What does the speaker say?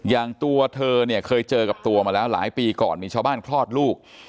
อย่างตัวเธอเนี่ยเคยเจอกับตัวมาแล้วหลายปีก่อนมีชาวบ้านคลอดลูก